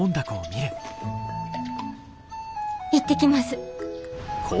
行ってきます。